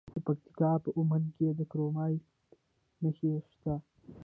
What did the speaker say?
د پکتیکا په اومنه کې د کرومایټ نښې شته.